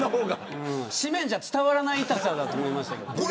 紙面じゃ伝わらない痛さだと思いました。